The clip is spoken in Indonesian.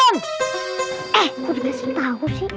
eh kok dikasih tau sih